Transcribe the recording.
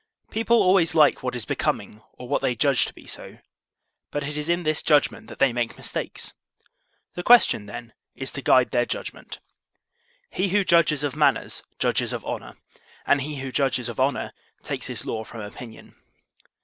People always like what is becoming or what they judge to be so; but it is in this judgment that they make mistakes ; the question, then, is to guide their judgment. He who judges of manners judges of honor; and he who judges of honor takes his law from opinion.